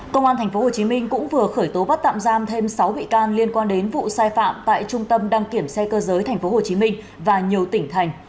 công an tp hcm cũng vừa khởi tố bắt tạm giam thêm sáu bị can liên quan đến vụ sai phạm tại trung tâm đăng kiểm xe cơ giới tp hcm và nhiều tỉnh thành